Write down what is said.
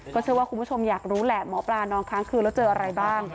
เชื่อว่าคุณผู้ชมอยากรู้แหละหมอปลานอนค้างคืนแล้วเจออะไรบ้าง